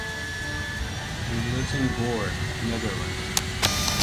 He lives in Goor, Netherlands.